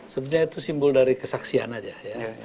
sebenarnya itu simbol dari kesaksian aja ya